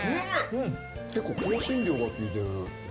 結構香辛料がきいてる。